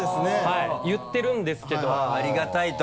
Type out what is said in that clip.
はい言ってるんですけどありがたいと。